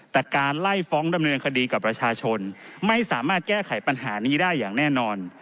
แต่การไล่ฟ้องดำเนินคดีกับประชาชนไม่สามารถแก้ไขปัญหานี้ได้อย่างแน่นอน